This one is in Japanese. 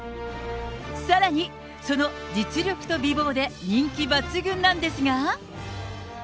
さらに、その実力と美貌で人気抜群なんですが。